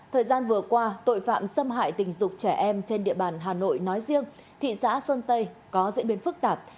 thời gian vừa qua tội phạm xâm hại tình dục trẻ em trên địa bàn hà nội nói riêng thị xã sơn tây có diễn biến phức tạp